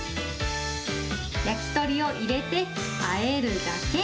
焼き鳥を入れて、あえるだけ。